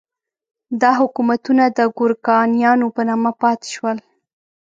دا حکومتونه د ګورکانیانو په نامه پاتې شول.